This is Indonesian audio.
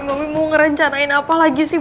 mau ngerencanain apa lagi sih